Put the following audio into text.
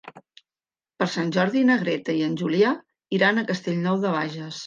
Per Sant Jordi na Greta i en Julià iran a Castellnou de Bages.